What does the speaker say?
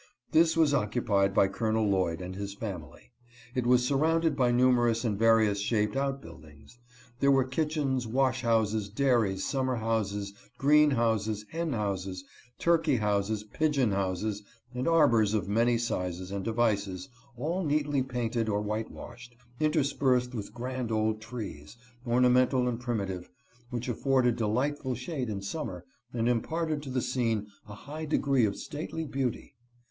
This was occupied by Col. Lloyd and his family. It was surrounded by numerous and variously shaped out buildings. There were kitchens, wash houses, dairies, summer houses, green houses, hen houses, turkey houses, pigeon houses, and arbors of many sizes and devices, all neatly painted or whitewashed, interspersed with grand old trees, ornamental and primitive, which afforded delightful shade in summer and imparted to the scene a high degree of stately beauty.